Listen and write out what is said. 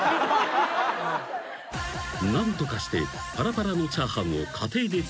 ［何とかしてパラパラのチャーハンを家庭で作りたい］